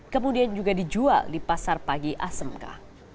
kemudian juga dijual di pasar pagi asmk